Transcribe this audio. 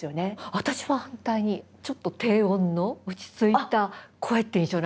私は反対にちょっと低音の落ち着いた声って印象なんですよ。